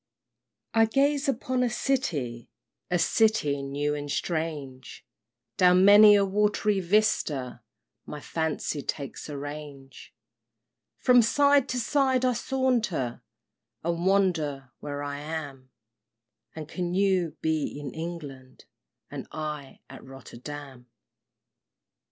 I gaze upon a city, A city new and strange, Down many a watery vista My fancy takes a range; From side to side I saunter, And wonder where I am; And can you be in England, And I at Rotterdam!